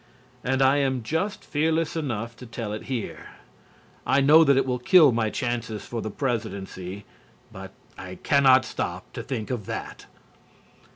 And I am just fearless enough to tell it here. I know that it will kill my chances for the Presidency, but I cannot stop to think of that.